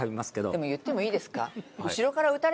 でも言ってもいいですか。